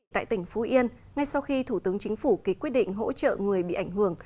tại tỉnh phú yên ngay sau khi thủ tướng chính phủ ký quyết định hỗ trợ người bị ảnh hưởng